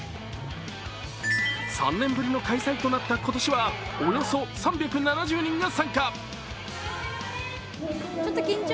３年ぶりの開催となった今年は、およそ３７０人が参加。